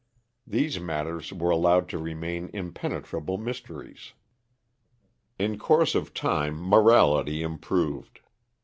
These matters were allowed to remain impenetrable mysteries. In course of time morality improved.